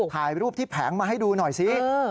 ถ่ายรูปที่แผงมาให้ดูหน่อยซิ